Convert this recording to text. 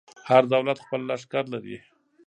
هر دولت خپل لښکر لري.